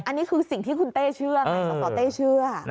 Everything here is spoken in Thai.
อันนี้คือสิ่งที่คุณเต้เชื่อไงสสเต้เชื่อ